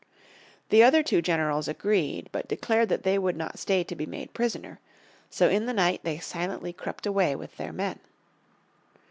The other two generals agreed, but declared that they would not stay to be made prisoner. So in the night they silently crept away with their men.